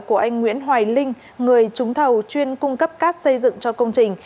của anh nguyễn hoài linh người trúng thầu chuyên cung cấp cát xây dựng cho công trình